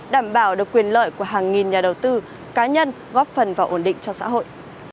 đảm bảo được quyền lợi của hàng nghìn nhà đầu tư cá nhân góp phần và ổn định cho xã hội